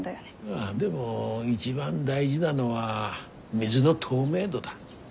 ああでも一番大事なのは水の透明度だ。